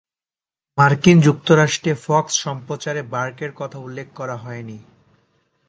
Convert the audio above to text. মার্কিন যুক্তরাষ্ট্রে ফক্স সম্প্রচারে বার্কের কথা উল্লেখ করা হয়নি।